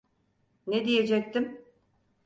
Ne diyecektim?